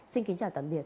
xin kính chào tạm biệt